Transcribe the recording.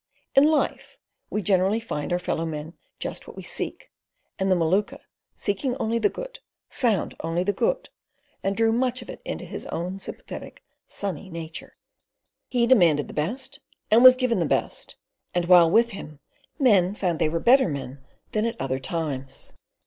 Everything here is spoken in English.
In life we generally find in our fellow men just what we seek, and the Maluka, seeking only the good, found only the good and drew much of it into his own sympathetic, sunny nature. He demanded the best and was given the best, and while with him, men found they were better men than at other times.